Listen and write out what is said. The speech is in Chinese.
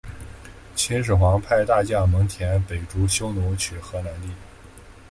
秦始皇派大将蒙恬北逐匈奴取河南地。